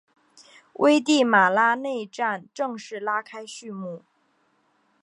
危地马拉内战正式拉开序幕。